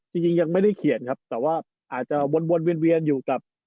จริงยังไม่ได้เขียนครับแต่ว่าอาจจะวนเวียนอยู่กับ